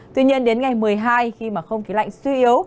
tuy nhiên đến ngày một mươi hai khi mà không khí lạnh suy yếu